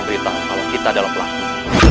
beritahu tahu kita adalah pelaku